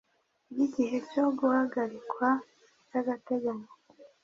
iyo igihe cyo guhagarikwa by agateganyo